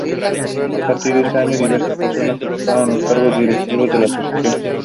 Desde un principio quiso ser artista, estudiando durante tres años en la Royal Academy.